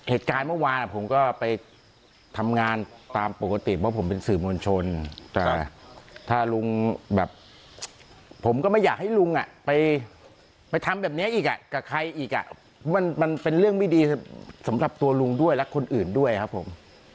เหตุการณ์เมื่อวานผมก็ไปทำงานตามปกติเพราะผมเป็นสื่อมวลชนแต่ถ้าลุงแบบผมก็ไม่อยากให้ลุงไปทำแบบนี้อีกกับใครอีกอ่ะมันเป็นเรื่องไม่ดีสำหรับตัวลุงด้วยและคนอื่นด้วยครับผม